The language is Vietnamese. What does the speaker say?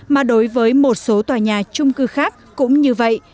mà đối với một số tòa nhà trung cư khác cũng như vậy